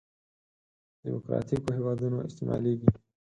دیموکراتیکو هېوادونو استعمالېږي.